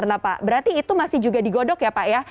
nah pak berarti itu masih juga digodok ya pak ya